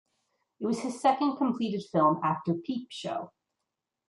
It was his second completed film after "Peep Show".